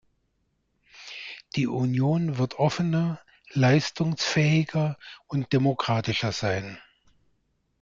Die Union wird offener, leistungsfähiger und demokratischer sein.